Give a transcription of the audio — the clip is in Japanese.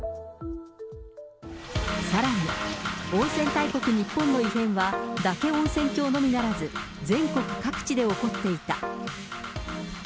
さらに、温泉大国日本の異変は、嶽温泉郷のみならず、全国各地で起こっていた。